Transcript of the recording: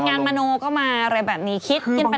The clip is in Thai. เป็นงานมโม้เข้ามาแบบนี้คิดกินปัน